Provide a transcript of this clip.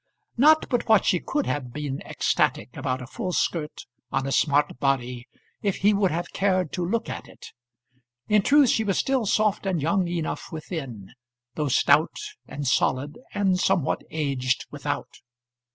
Not but what she could have been ecstatic about a full skirt on a smart body if he would have cared to look at it. In truth she was still soft and young enough within, though stout, and solid, and somewhat aged without.